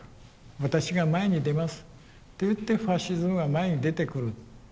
私が前に出ますと言ってファシズムが前に出てくる。